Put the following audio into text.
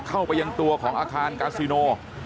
เข้าไปยังตัวของอาคารกาซิโน